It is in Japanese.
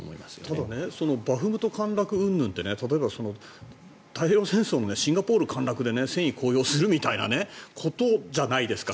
でもバフムト陥落うんぬんって例えば太平洋戦争のシンガポール陥落で戦意高揚する？みたいなことじゃないですか。